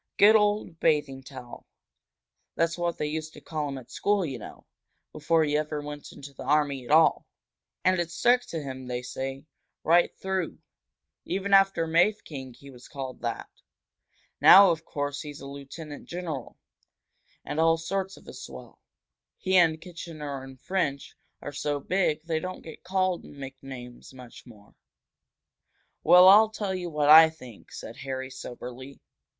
"Good old Bathing Towel! That's what they used to call him at school, you know, before he ever went into the army at all. And it stuck to him, they say, right through. Even after Mafeking he was called that. Now, of course, he's a lieutenant general, and all sorts of a swell. He and Kitchener and French are so big they don't get called nicknames much more." "Well, I'll tell you what I think," said Harry, soberly.